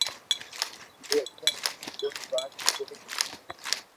جي او امري ڪوئي وات ڪوئي ھوڻي ھي